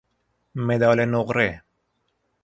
مدال نقره